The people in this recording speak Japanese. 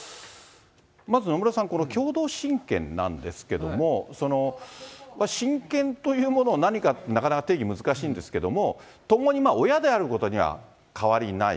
まず、野村さん、共同親権なんですけれども、親権というもの、何か、なかなか定義難しいんですけども、ともに親であることには変わりない。